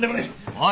おい！